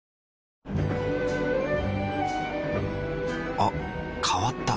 あ変わった。